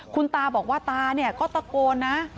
คุณตาบอกว่าตาก็ตะโกนนะ